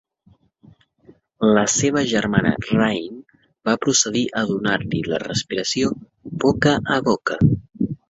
La seva germana Rain va procedir a donar-li la respiració boca a boca.